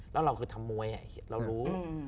แล้วเราคือทำมวยเรารู้